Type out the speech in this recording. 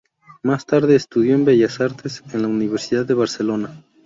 Más tarde, estudió Bellas Artes en la Universidad de Barcelona.